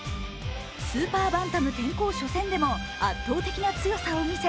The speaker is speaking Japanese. スーパーバンタム転向初戦でも圧倒的な強さを見せ